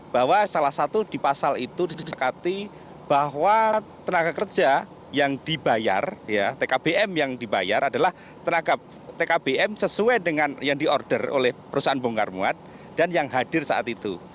bahwa salah satu di pasal itu disedekati bahwa tenaga kerja yang dibayar tkbm yang dibayar adalah tenaga tkbm sesuai dengan yang di order oleh perusahaan bongkar muat dan yang hadir saat itu